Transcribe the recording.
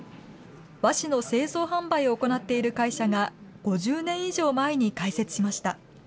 和紙の製造販売を行っている会社が５０年以上前に開設しました。